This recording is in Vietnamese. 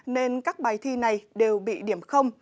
nên các bài thi này đều bị điểm